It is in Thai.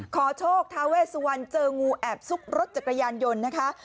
ขอโชคทาเวสวันเจองูแอบซุกรถจักรยานยนต์นะคะ